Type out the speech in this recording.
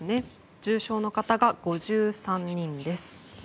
重症の方が５３人です。